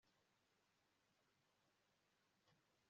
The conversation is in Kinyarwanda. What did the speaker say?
ibi ntabwo bigiye gukora, urabizi